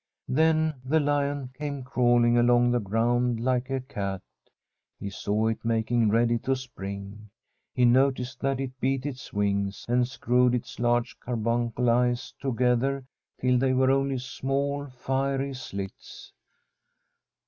Then the lion came crawling along the ground like a cat. He saw it making ready to spring. He noticed that it beat its wings and screwed its large carbuncle eyes together till they were only small fiery slits.